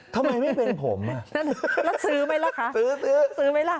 ทำไมไม่เป็นผมอ่ะแล้วซื้อไหมล่ะคะซื้อซื้อไหมล่ะ